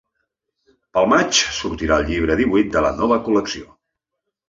Pel maig sortirà el llibre divuit de la nova col·lecció.